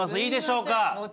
いいでしょうか？